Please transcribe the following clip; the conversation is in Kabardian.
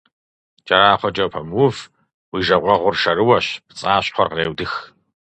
КӀэрахъуэкӀэ упэмыув, уи жагъуэгъур шэрыуэщ, пцӀащхъуэр къреудых.